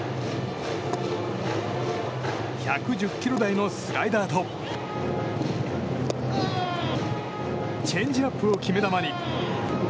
１１０キロ台のスライダーとチェンジアップを決め球に。